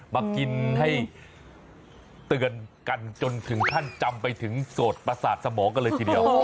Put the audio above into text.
มากินให้เตือนกันจนถึงขั้นจำไปถึงโสดประสาทสมองกันเลยทีเดียว